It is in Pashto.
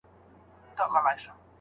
ميرمن بايد د خاوند ژوند تريخ نکړي.